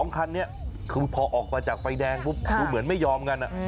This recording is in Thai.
คันนี้คือพอออกมาจากไฟแดงปุ๊บดูเหมือนไม่ยอมกัน